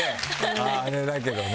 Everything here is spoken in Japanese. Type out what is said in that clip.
あれだけどね。